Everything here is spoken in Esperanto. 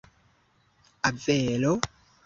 Avelo?